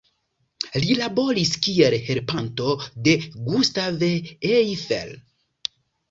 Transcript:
Li laboris kiel helpanto de Gustave Eiffel.